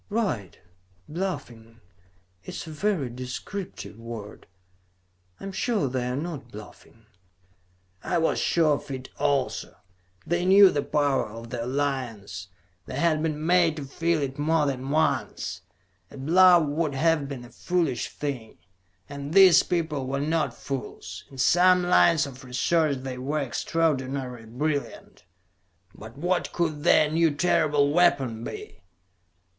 "Right! Bluffing. It is a very descriptive word. I am sure they are not bluffing." I was sure of it also. They knew the power of the Alliance; they had been made to feel it more than once. A bluff would have been a foolish thing, and these people were not fools. In some lines of research they were extraordinarily brilliant. But what could their new, terrible weapon be?